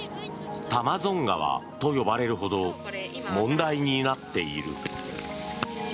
タマゾン川と呼ばれるほど問題になっている。